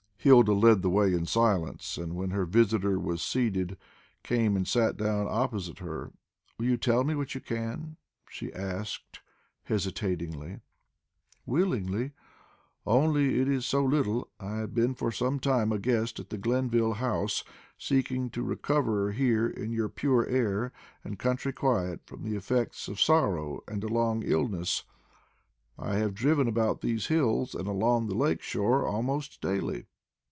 Hilda led the way in silence, and, when her visitor was seated, came and sat down opposite her. "Will you tell me what you can?" she asked hesitatingly. "Willingly. Only it is so little. I have been for some time a guest at the Glenville House, seeking to recover here in your pure air and country quiet, from the effects of sorrow and a long illness. I have driven about these hills and along the lake shore almost daily."